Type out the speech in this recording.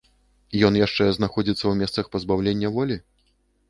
Ён яшчэ знаходзіцца ў месцах пазбаўлення волі?